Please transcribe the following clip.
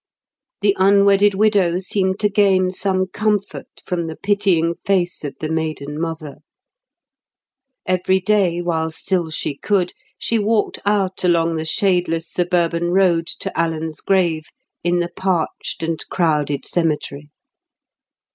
The unwedded widow seemed to gain some comfort from the pitying face of the maiden mother. Every day, while still she could, she walked out along the shadeless suburban road to Alan's grave in the parched and crowded cemetery.